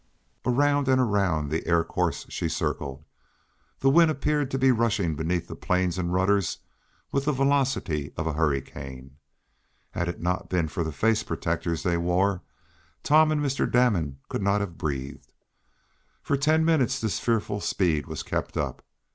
Around and around the air course she circled. The wind appeared to be rushing beneath the planes and rudders with the velocity of a hurricane. Had it not been for the face protectors they wore, Tom and Mr. Damon could not have breathed. For ten minutes this fearful speed was kept up.